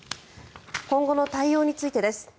今後の対応についてです。